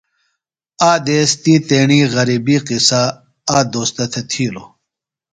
آک دیس تی تیݨیۡ غربی قصہ آک دوستہ تھےۡ تِھیلوۡ۔